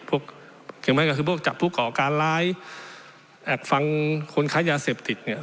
เห็นไหมก็คือพวกจับผู้ก่อการร้ายแอบฟังคนค้ายาเสพติดเนี่ย